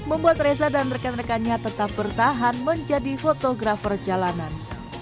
membuat reza dan rekan rekannya tetap bertahan menjadi fotografer jalanan